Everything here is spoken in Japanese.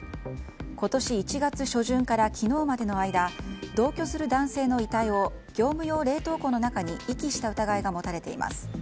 今年１月初旬から昨日までの間同居する男性の遺体を業務用冷凍庫の中に遺棄した疑いが持たれています。